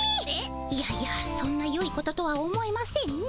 いやいやそんなよいこととは思えませんね。